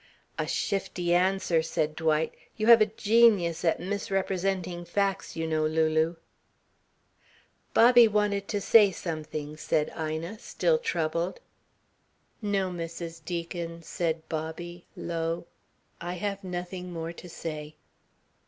"A shifty answer," said Dwight. "You have a genius at misrepresenting facts, you know, Lulu." "Bobby wanted to say something," said Ina, still troubled. "No, Mrs. Deacon," said Bobby, low. "I have nothing more to say."